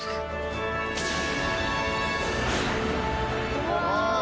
うわ！